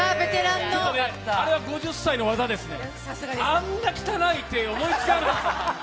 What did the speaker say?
あれが５０歳の技ですね、あんな汚い手、思いつかない。